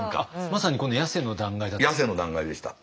まさにこのヤセの断崖だった？